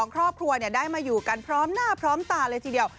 ครอบครัวได้มาอยู่กันพร้อมหน้าพร้อมตาเลยทีเดียว